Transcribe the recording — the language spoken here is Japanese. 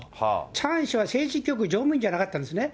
チャン氏は政治局常務委員じゃなかったんですね。